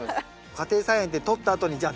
家庭菜園でとったあとにじゃあ